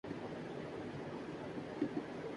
عامرخان دپیکا پڈوکون کے ساتھ کام کرنے کے خواہاں